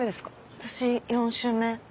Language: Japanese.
私４周目。